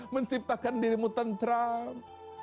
menciptakan dirimu tentram